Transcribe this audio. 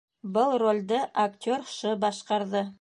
Был ролде актер Ш. башҡарҙы